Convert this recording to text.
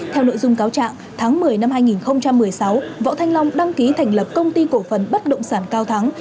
theo nội dung cáo trạng tháng một mươi năm hai nghìn một mươi sáu võ thanh long đăng ký thành lập công ty cổ phần bất động sản cao thắng